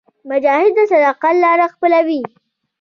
مجاهد د صداقت لاره خپلوي.